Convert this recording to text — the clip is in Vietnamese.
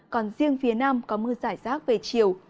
còn riêng phía nam có mưa giải rác về chiều